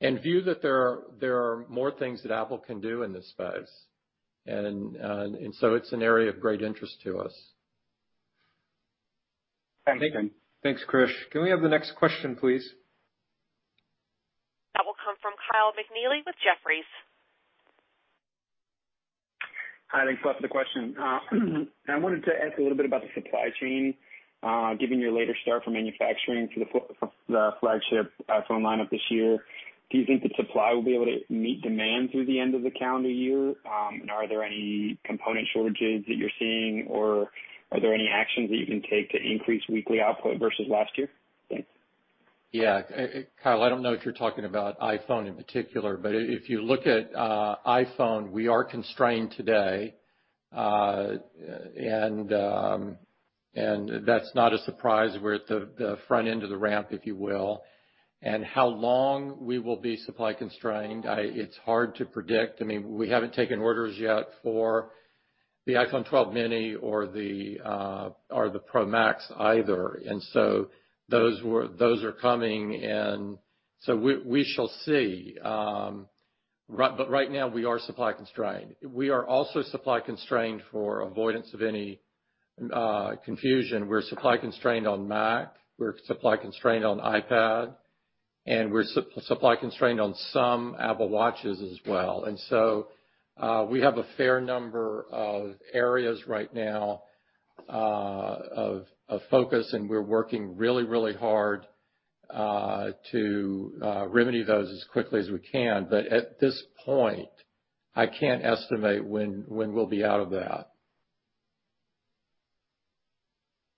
and view that there are more things that Apple can do in this space. It's an area of great interest to us. Thanks, Tim. Thanks, Krish. Can we have the next question, please? That will come from Kyle McNealy with Jefferies. Hi, thanks a lot for the question. I wanted to ask a little bit about the supply chain. Given your later start for manufacturing for the flagship iPhone lineup this year, do you think that supply will be able to meet demand through the end of the calendar year? Are there any component shortages that you're seeing, or are there any actions that you can take to increase weekly output versus last year? Thanks. Yeah. Kyle, I don't know if you're talking about iPhone in particular, but if you look at iPhone, we are constrained today. That's not a surprise. We're at the front end of the ramp, if you will. How long we will be supply constrained, it's hard to predict. We haven't taken orders yet for the iPhone 12 mini or the Pro Max either. Those are coming, and so we shall see. Right now, we are supply constrained. We are also supply constrained for avoidance of any confusion. We're supply constrained on Mac, we're supply constrained on iPad, and we're supply constrained on some Apple Watches as well. We have a fair number of areas right now of focus, and we're working really hard to remedy those as quickly as we can. At this point, I can't estimate when we'll be out of that.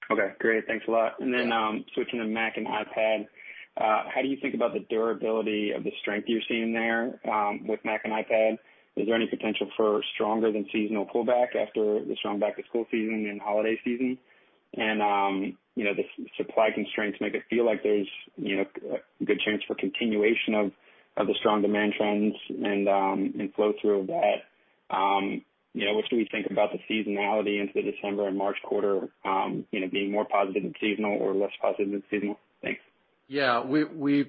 Okay, great. Thanks a lot. Switching to Mac and iPad, how do you think about the durability of the strength you're seeing there with Mac and iPad? Is there any potential for stronger than seasonal pullback after the strong back-to-school season and holiday season? The supply constraints make it feel like there's a good chance for continuation of the strong demand trends and flow through of that. What should we think about the seasonality into the December and March quarter being more positive than seasonal or less positive than seasonal? Thanks. Yeah. We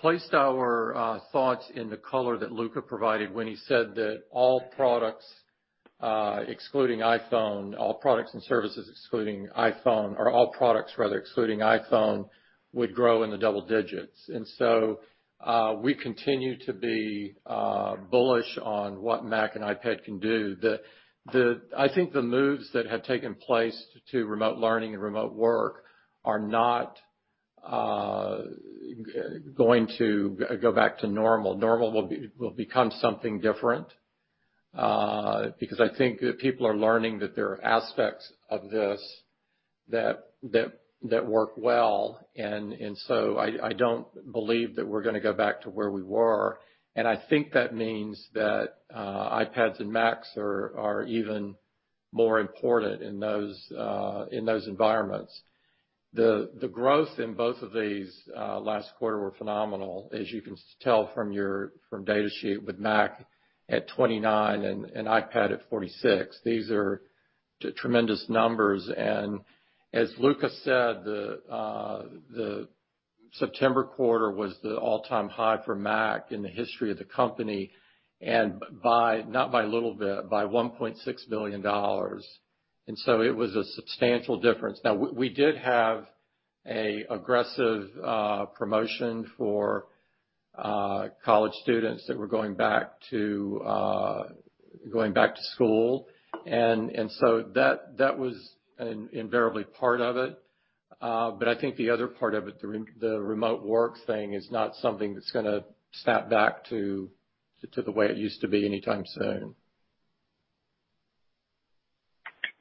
placed our thoughts in the color that Luca provided when he said that all products excluding iPhone, all products and services excluding iPhone, or all products rather excluding iPhone, would grow in the double digits. We continue to be bullish on what Mac and iPad can do. I think the moves that have taken place to remote learning and remote work are not going to go back to normal. Normal will become something different. I think that people are learning that there are aspects of this that work well, and so I don't believe that we're going to go back to where we were. I think that means that iPads and Macs are even more important in those environments. The growth in both of these last quarter were phenomenal, as you can tell from your data sheet with Mac at [29%] and iPad at [46%]. These are tremendous numbers. As Luca said, the September quarter was the all-time high for Mac in the history of the company, and not by a little bit, by $1.6 billion. So it was a substantial difference. We did have an aggressive promotion for college students that were going back to school, and so that was invariably part of it. I think the other part of it, the remote work thing, is not something that's going to snap back to the way it used to be anytime soon.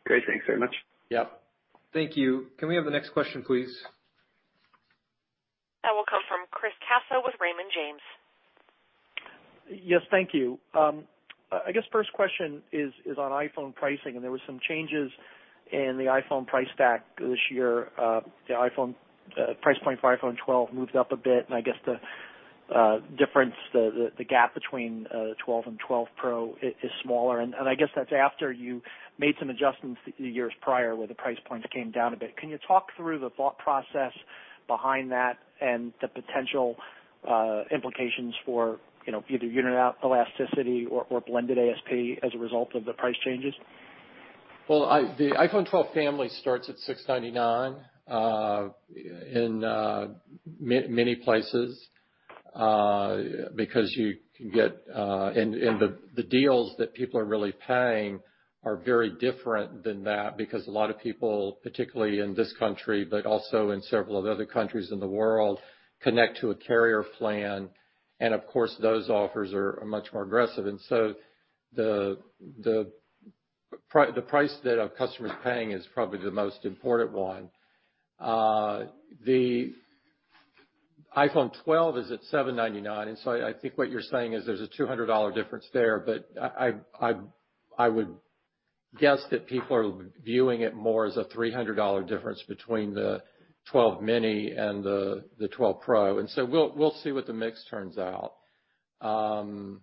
Great. Thanks very much. Yep. Thank you. Can we have the next question, please? That will come from Chris Caso with Raymond James. Yes, thank you. I guess first question is on iPhone pricing, and there were some changes in the iPhone price stack this year. The price point for iPhone 12 moves up a bit, and I guess the difference, the gap between the 12 and 12 Pro is smaller, and I guess that's after you made some adjustments years prior, where the price points came down a bit. Can you talk through the thought process behind that and the potential implications for either unit elasticity or blended ASP as a result of the price changes? Well, the iPhone 12 family starts at $699 in many places. Because the deals that people are really paying are very different than that because a lot of people, particularly in this country, but also in several of other countries in the world, connect to a carrier plan, and of course, those offers are much more aggressive. The price that a customer's paying is probably the most important one. The iPhone 12 is at $799, I think what you're saying is there's a $200 difference there, but I would guess that people are viewing it more as a $300 difference between the 12 mini and the 12 Pro. We'll see what the mix turns out. Right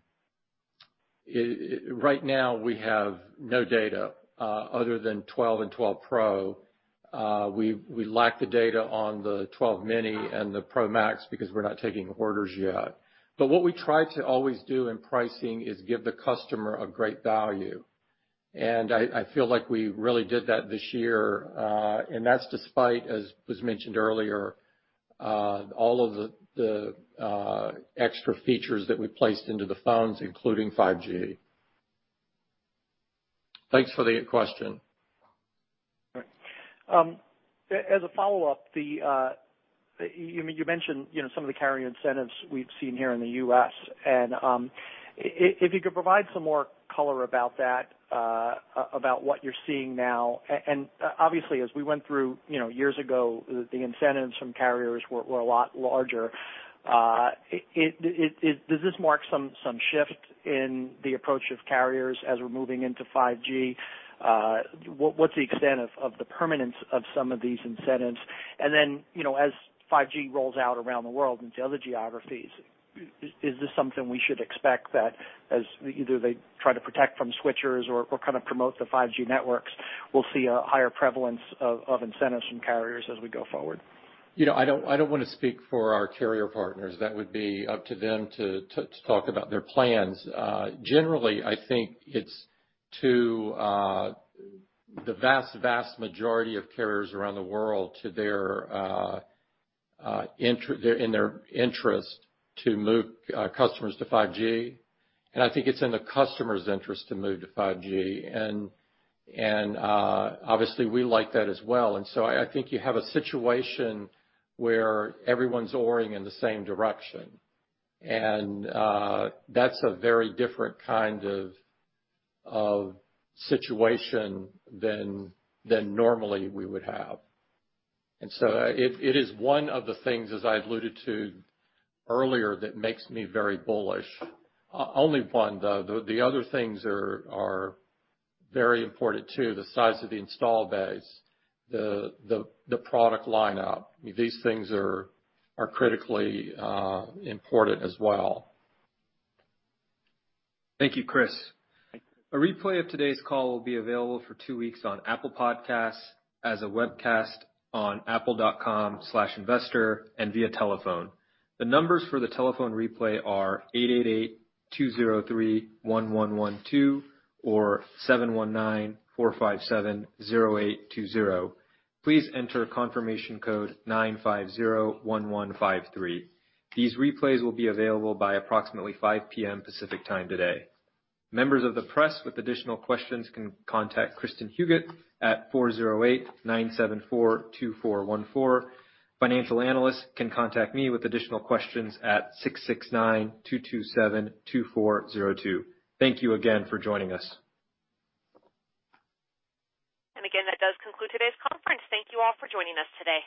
now we have no data other than 12 and 12 Pro. We lack the data on the 12 mini and the Pro Max because we're not taking orders yet. What we try to always do in pricing is give the customer a great value, and I feel like we really did that this year, and that's despite, as was mentioned earlier, all of the extra features that we placed into the phones, including 5G. Thanks for the question. As a follow-up, you mentioned some of the carrier incentives we've seen here in the U.S. If you could provide some more color about that, about what you're seeing now. Obviously as we went through, years ago, the incentives from carriers were a lot larger. Does this mark some shift in the approach of carriers as we're moving into 5G? What's the extent of the permanence of some of these incentives? Then, as 5G rolls out around the world into other geographies, is this something we should expect that as either they try to protect from switchers or kind of promote the 5G networks, we'll see a higher prevalence of incentives from carriers as we go forward? I don't want to speak for our carrier partners. That would be up to them to talk about their plans. Generally, I think it's to the vast majority of carriers around the world, in their interest to move customers to 5G, and I think it's in the customer's interest to move to 5G, and obviously we like that as well. I think you have a situation where everyone's oaring in the same direction, and that's a very different kind of situation than normally we would have. It is one of the things, as I alluded to earlier, that makes me very bullish. Only one, though. The other things are very important, too. The size of the install base, the product line-up, these things are critically important as well. Thank you, Chris. Thank you. A replay of today's call will be available for two weeks on Apple Podcasts, as a webcast on apple.com/investor, and via telephone. The numbers for the telephone replay are 888-203-1112 or 719-457-0820. Please enter confirmation code 9501153. These replays will be available by approximately 5:00 P.M. Pacific Time today. Members of the press with additional questions can contact Kristin Huguet at 408-974-2414. Financial analysts can contact me with additional questions at 669-227-2402. Thank you again for joining us. Again, that does conclude today's conference. Thank you all for joining us today.